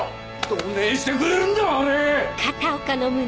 どねぇしてくれるんじゃわれ！